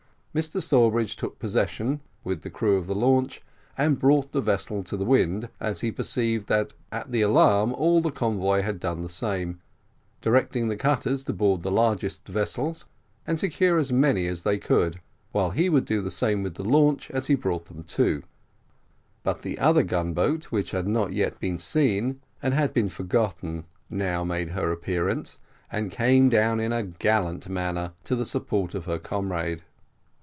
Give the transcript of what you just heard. Mr Sawbridge took possession, with the crew of the launch, and brought the vessel to the wind, as he perceived that at the alarm all the convoy had done the same, directing the cutters to board the largest vessels, and secure as many as they could, while he would do the same with the launch, as he brought them to: but the other gun boat, which had not yet been seen, and had been forgotten, now made her appearance, and came down in a gallant manner to the support of her comrade.